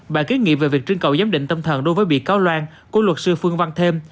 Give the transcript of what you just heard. bà kiến nghị về việc trưng cầu giám định tâm thần đối với bị cáo loan của luật sư phương văn thêm